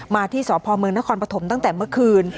มาที่สพเมืองนครปฐมตั้งแต่เมื่อคืน